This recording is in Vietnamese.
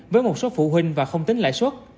với một số phụ huynh và không tính lãi suất